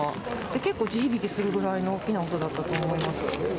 結構、地響きするくらいの大きな音だったと思います。